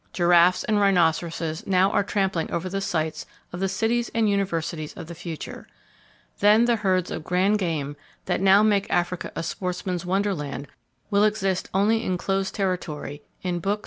Giraffes and rhinoceroses now are trampling over the sites of the cities and universities of the future. Then the herds of grand game that now make Africa a sportsman's wonderland will exist only in closed territory, in books, and in memory.